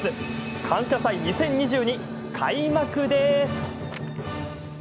感謝祭２０２２開幕です。